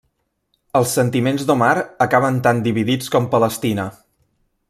Els sentiments d'Omar acaben tan dividits com Palestina.